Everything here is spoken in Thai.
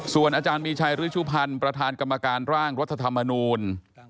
ส่วนอาจารย์มีชัยริชุพันธ์ประธานกรรมการร่างรัฐธรรมนูล